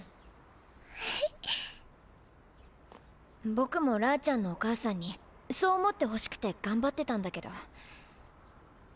ボクもラーちゃんのお母さんにそう思ってほしくて頑張ってたんだけど。